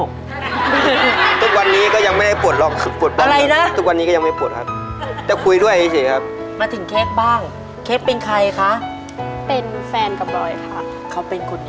ค่ะค่ะ